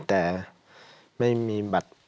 แต่ไม่มีบัตร